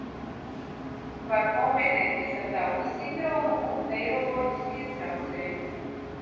Var kombinēties ar Dauna sindromu un neiroloģiskiem traucējumiem.